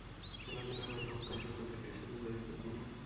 খেলাধূলার বাইরে hope cancer প্রজেক্টের সাথে জড়িত তিনি।